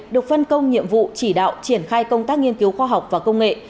được phân công nhiệm vụ chỉ đạo triển khai công tác nghiên cứu khoa học và công nghệ